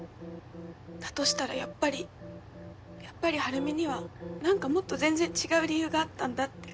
だとしたらやっぱりやっぱり晴美には何かもっと全然違う理由があったんだって。